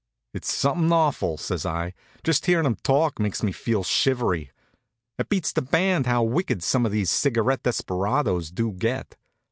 "It's something awful," says I. "Just hearin' him talk makes me feel shivery. It beats the band how wicked some of these cigarette desperados do get.